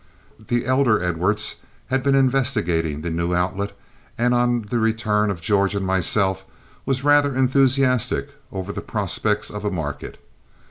The elder Edwards had been investigating the new outlet, and on the return of George and myself was rather enthusiastic over the prospects of a market.